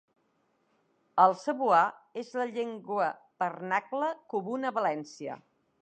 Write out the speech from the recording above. El cebuà és la llengua vernacla comuna a València.